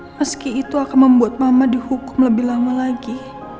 meski itu akan membuat mama dihukum lebih lama lagi